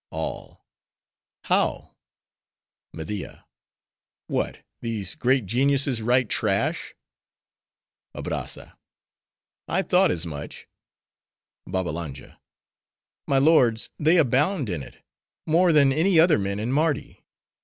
ALL—How? MEDIA—What! these great geniuses writing trash? ABRAZZA—I thought as much. BABBALANJA—My lords, they abound in it! more than any other men in Mardi.